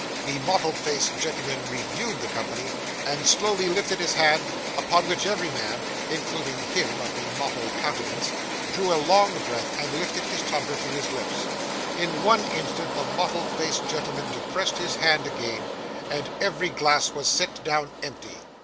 The mottled faced gentleman reviewed the company, and slowly lifted his hand, upon which every man (including him of the mottled countenance) drew a long breath, and lifted his tumbler to his lips. In one instant, the mottled faced gentleman depressed his hand again, and every glass was set down empty.